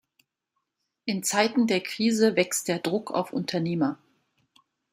In Zeiten der Krise wächst der Druck auf Unternehmer.